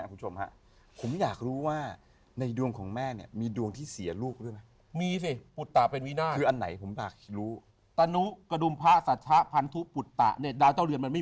ผมอยากรู้ว่าในดวงของแม่มีดวงที่เสียลูกเลยหรือไม่